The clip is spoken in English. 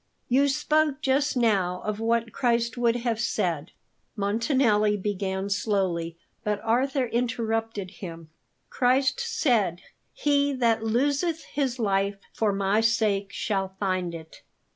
"You spoke just now of what Christ would have said " Montanelli began slowly; but Arthur interrupted him: "Christ said: 'He that loseth his life for my sake shall find it.'"